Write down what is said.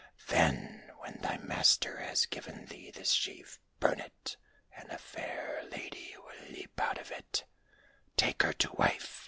Then, when thy master has given thee this sheaf, burn it, and a fair lady will leap out of it ; take her to wife